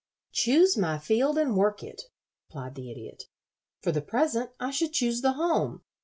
"Choose my field and work it," replied the Idiot. "For the present I should choose the home.